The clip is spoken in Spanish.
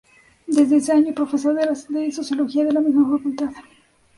Desde ese año profesor de sociología de la misma facultad.